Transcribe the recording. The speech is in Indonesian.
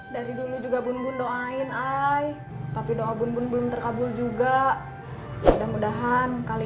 dari dulu juga bun bun doain ai